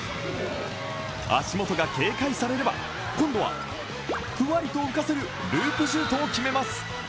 足元が警戒されれば、今度はフワッと浮かせるループシュートを決めます。